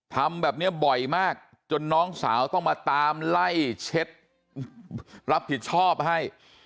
ทำแบบนี้บ่อยมากจนน้องสาวต้องมาตามไล่เช็ดรับผิดชอบให้